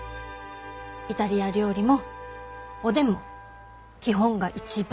イタリア料理もおでんも基本が一番大事。